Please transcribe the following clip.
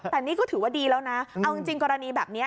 แต่นี่ก็ถือว่าดีแล้วนะเอาจริงกรณีแบบนี้